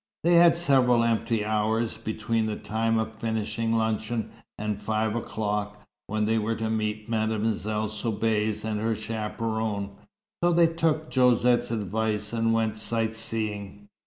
They had several empty hours, between the time of finishing luncheon, and five o'clock, when they were to meet Mademoiselle Soubise and her chaperon, so they took Josette's advice and went sightseeing.